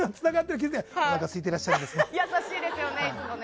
優しいですよね。